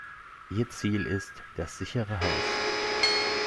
Ihr Ziel ist "das sichere Haus".